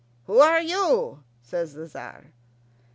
"Who are you?" says the Tzar.